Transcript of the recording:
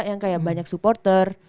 yang kayak banyak supporter